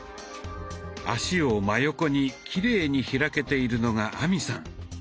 脚を真横にきれいに開けているのが亜美さん。